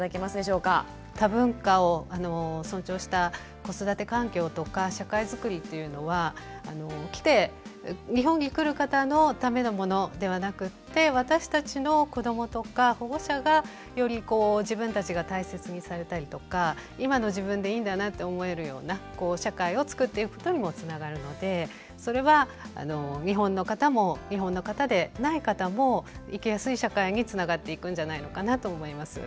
多文化を尊重した子育て環境とか社会づくりっていうのは来て日本に来る方のためのものではなくって私たちの子どもとか保護者がより自分たちが大切にされたりとか今の自分でいいんだなって思えるような社会をつくっていくことにもつながるのでそれは日本の方も日本の方でない方も生きやすい社会につながっていくんじゃないのかなと思います。